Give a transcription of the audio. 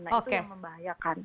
nah itu yang membahayakan